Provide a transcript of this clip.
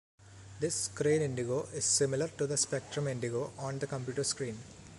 This screen indigo is similar to the spectrum indigo on the computer screen.